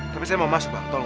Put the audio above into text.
tapi saya mau berbicara